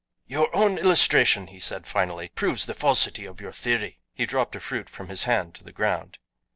"Your own illustration," he said finally, "proves the falsity of your theory." He dropped a fruit from his hand to the ground.